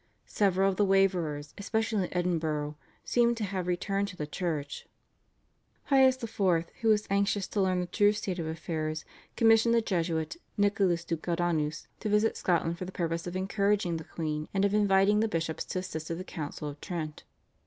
Several of the waverers especially in Edinburgh seem to have returned to the Church. Pius IV., who was anxious to learn the true state of affairs, commissioned the Jesuit Nicholas de Gouda (Goudanus) to visit Scotland for the purpose of encouraging the queen and of inviting the bishops to assist at the Council of Trent.